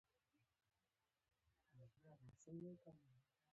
واوره د افغان ښځو په ژوند کې رول لري.